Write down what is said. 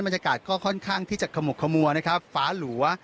บรรยากาศก็ค่อนข้างที่จะขมุกขมัวนะครับฟ้าหลัว